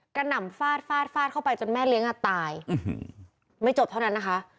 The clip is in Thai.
หน่ำฟาดฟาดฟาดเข้าไปจนแม่เลี้ยงอ่ะตายไม่จบเท่านั้นนะคะ